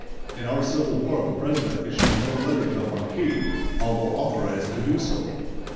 In our Civil War the President issued no letters of marque, although authorized to do so.